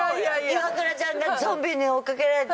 イワクラちゃんがゾンビに追いかけられて。